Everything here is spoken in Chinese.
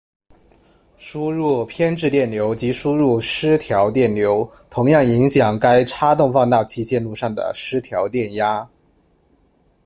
输入偏置电流及输入失调电流同样影响该差动放大器线路上的失调电压。